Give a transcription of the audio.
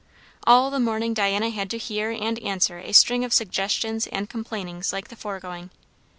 All the morning Diana had to hear and answer a string of suggestions and complainings like the foregoing.